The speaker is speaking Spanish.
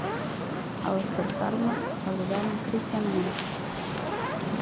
al acercarnos saludaron cristianamente: